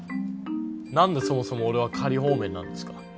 何でそもそも俺は仮放免なんですか？